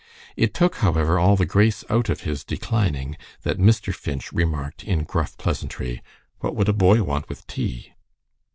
It took, however, all the grace out of his declining, that Mr. Finch remarked in gruff pleasantry, "What would a boy want with tea!"